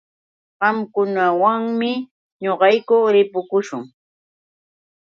Qamkunawanmi ñuqayku ripukuśhun.